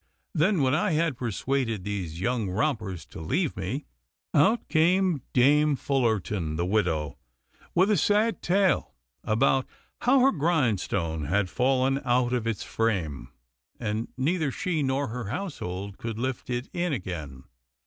Then, when I had persuaded these young rompers to leave me, out came Dame Fullarton the widow, with a sad tale about how her grindstone had fallen out of its frame, and neither she nor her household could lift it in again.